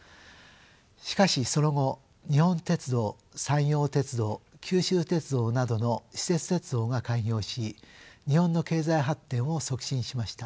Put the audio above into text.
しかしその後日本鉄道山陽鉄道九州鉄道などの私設鉄道が開業し日本の経済発展を促進しました。